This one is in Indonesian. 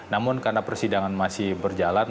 namun karena persidangan masih berjalan